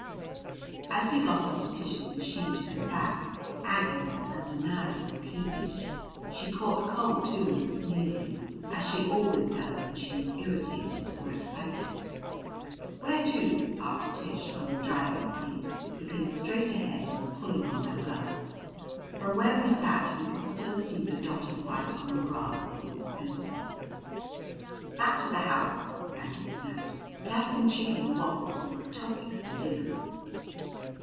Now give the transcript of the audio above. As we got into Tish's machine to go back, Aggie was undeniably peevish. She caught cold, too, and was sneezing as she always does when she is irritated or excited. "Where to?" asked Tish from the driving seat, looking straight ahead and pulling on her gloves. From where we sat we could still see the dot of white on the grass that was the centerpiece. "Back to the house," Aggie snapped, "to have some chicken and waffles and Tufik for dinner!"